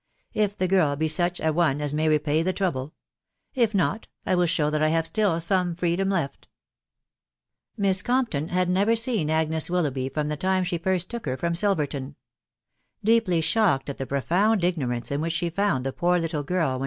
..•. if the girl be st»ch>a one as may repay ths*. trouble; .... if not, LwilLsaow* tHatrl ham still. mmifmriam*lef%f* Miss Gomptotr had: never seen Agnes iWilloughby from the time' she* flrtt^tookr her. from Silveetoo* Deeply shocked at the profound ignorance; in which she' found the poor little girl when?